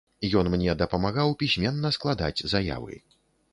Ён мне дапамагаў пісьменна складаць заявы.